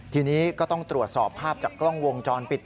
ทีนี้ก็ต้องตรวจสอบภาพจากกล้องวงจรปิด